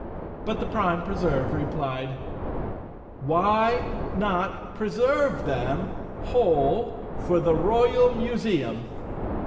But the Prime Preserve replied, " Why not preserve them whole for the royal museum?"